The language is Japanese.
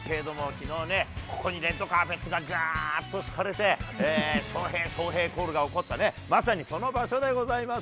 きのうね、ここにレッドカーペットががーっと敷かれて、翔平、翔平コールが起こったね、まさにその場所でございます。